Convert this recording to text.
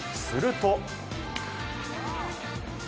すると。